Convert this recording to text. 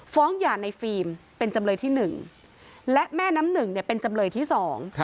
หย่าในฟิล์มเป็นจำเลยที่หนึ่งและแม่น้ำหนึ่งเนี่ยเป็นจำเลยที่สอง